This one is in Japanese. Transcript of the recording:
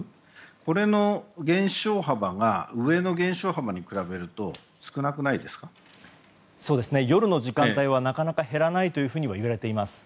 これの減少幅が上の減少幅に比べると夜の時間帯はなかなか減らないというふうに言われています。